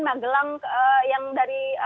magelang yang dari